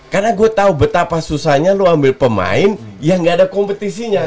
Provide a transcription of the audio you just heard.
karena gue tahu betapa susahnya lo ambil pemain yang nggak ada kompetisinya